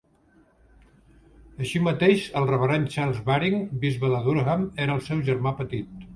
Així mateix, el reverend Charles Baring, bisbe de Durham, era el seu germà petit.